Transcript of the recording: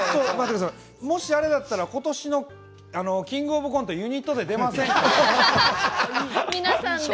もしあれだったらことしの「キングオブコント」ユニットで出ませんか？